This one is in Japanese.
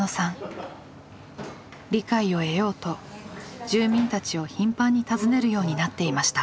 理解を得ようと住民たちを頻繁に訪ねるようになっていました。